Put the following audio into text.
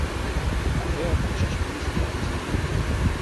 Riɣ taqcict-nni s tidet.